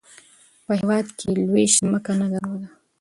په هیواد کې یې لویشت ځمکه نه درلوده.